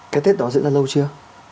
cái tết đó diễn ra lâu chưa